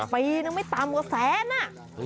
ปีนั้นไม่ตามกว่าแสนนะ